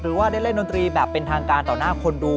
หรือว่าได้เล่นดนตรีแบบเป็นทางการต่อหน้าคนดู